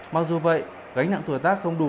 mặc dù vậy gánh nặng tuổi tác không đủ